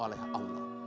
dilihat oleh allah